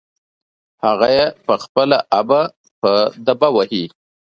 هغه يې په خپله ابه په دبه وهي.